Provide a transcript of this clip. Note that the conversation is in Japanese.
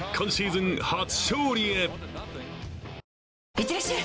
いってらっしゃい！